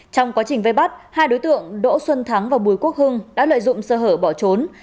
trong quá trình vây bắt hai đối tượng đỗ xuân thắng và bùi quốc hưng đã lợi dụng sơ hở bỏ trốn